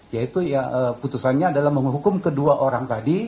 yaitu putusannya adalah menghukum kedua orang tadi